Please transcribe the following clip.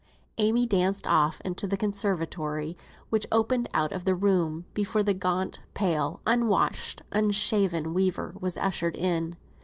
Amy danced off into the conservatory which opened out of the room, before the gaunt, pale, unwashed, unshaven weaver was ushered in.